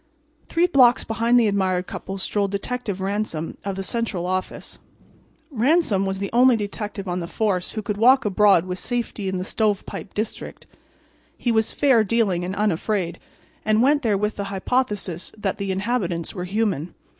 Three blocks behind the admired couple strolled Detective Ransom, of the Central office. Ransom was the only detective on the force who could walk abroad with safety in the Stovepipe district. He was fair dealing and unafraid and went there with the hypothesis that the inhabitants were human.